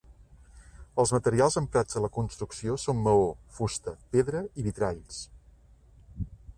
Els materials emprats a la construcció són maó, fusta, pedra i vitralls.